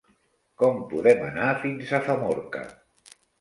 Com podem anar fins a Famorca?